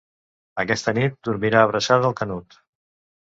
Aquesta nit dormirà abraçada al Canut.